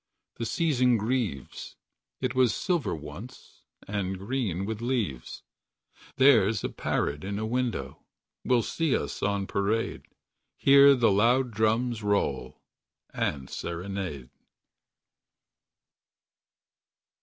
The season grieves. It was silver once. And green with leaves . There's a parrot in a window. Will see us on parade. Hear the loud drums roll— And serenade.